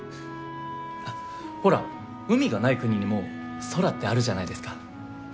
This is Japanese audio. ほら海がない国にも空ってあるじゃないですか。